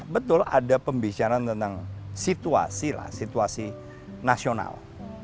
betul ada pembicaraan tentang situasi lah situasi nasional